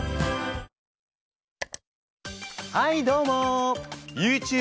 はいどうも！